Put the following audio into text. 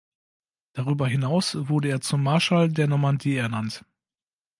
Darüber hinaus wurde er zum Marschall der Normandie ernannt.